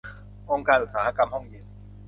องค์การอุตสาหกรรมห้องเย็น